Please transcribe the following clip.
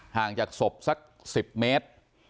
ห่างจากศพสัก๑๐เมตร